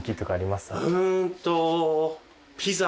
うんと。